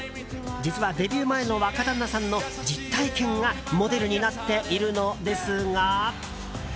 実は、デビュー前の若旦那さんの実体験がモデルになっているのですが。